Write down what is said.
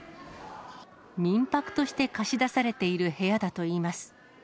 民泊として貸し出されている部屋だといいます。